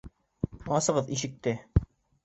Асығыҙ ишекте!